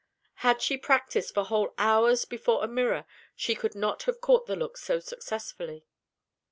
Had she practiced for whole hours before a mirror, she could not have caught the look so successfully.